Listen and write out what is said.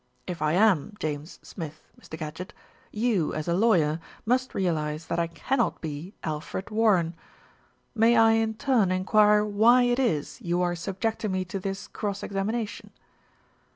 "If I am James Smith, Mr. Gadgett, you, as a lawyer, must realise that I cannot be Alfred Warren. May I in turn enquire why it is you are subjecting me to this cross examination?"